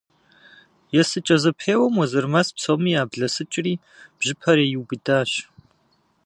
Есыкӏэ зэпеуэм Уэзырмэс псоми яблэсыкӏри бжьыпэр иубыдащ.